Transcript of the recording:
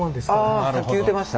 ああさっき言うてました。